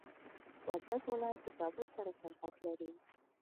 وردګ ولايت د کابل سره سرحد لري.